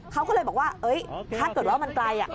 เขาก็เลยบอกว่าถ้าเกิดว่ามันไกล